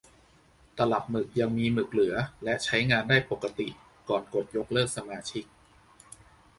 ตลับหมึกยังมีหมึกเหลือและใช้งานได้ปกติก่อนกดยกเลิกสมาชิก